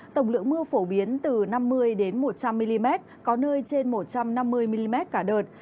tổng lượng mưa phổ biến từ năm mươi một trăm linh mm có nơi trên một trăm năm mươi mm cả đợt